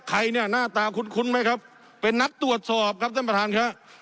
ใครเนี่ยหน้าตาคุ้นไหมครับเป็นนักตรวจสอบครับท่านประธานครับ